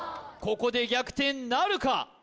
ここで逆転なるか？